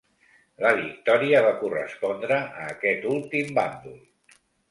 La victòria va correspondre a aquest últim bàndol.